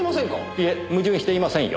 いえ矛盾していませんよ。